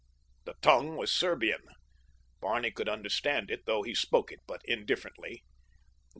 The tongue was Serbian. Barney could understand it, though he spoke it but indifferently.